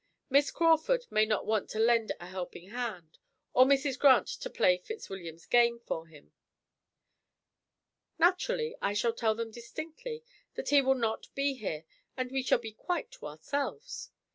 Miss Crawford may not want to lend a helping hand, or Mrs. Grant to play Fitzwilliam's game for him." "Naturally, I shall tell them distinctly that he will not be here and we shall be quite to ourselves.